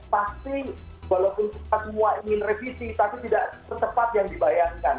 pasti walaupun kita semua ingin revisi tapi tidak secepat yang dibayangkan